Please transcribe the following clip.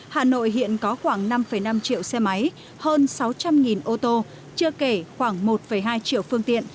hà nội hiện có khoảng năm năm triệu xe máy hơn sáu trăm linh ô tô chưa kể khoảng một hai triệu phương tiện